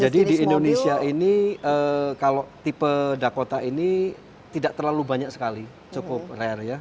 jadi di indonesia ini kalau tipe dakota ini tidak terlalu banyak sekali cukup rare ya